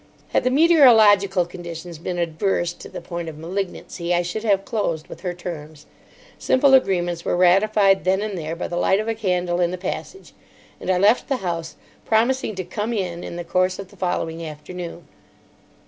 Had the meteorological conditions been adverse to the point of malignancy, I should have closed with her terms. Simple agreements were ratified then and there by the light of a candle in the passage, and I left the house, promising to "come in" in the course of the following afternoon.